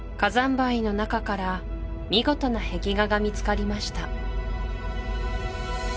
灰の中から見事な壁画が見つかりました